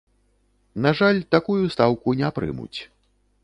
На жаль, такую стаўку не прымуць.